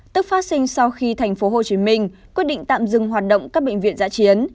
tức phát sinh sau khi tp hcm quyết định tạm dừng hoạt động các bệnh viện giã chiến